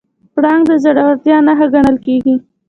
پړانګ د زړورتیا نښه ګڼل کېږي.